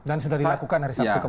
dan sudah dilakukan dari sabtu kemarin